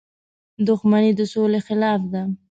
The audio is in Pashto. • دښمني د سولې خلاف ده.